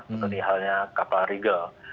seperti halnya kapal regal